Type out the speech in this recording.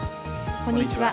こんにちは。